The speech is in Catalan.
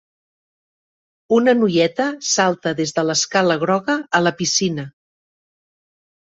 Una noieta salta des de l'escala groga a la piscina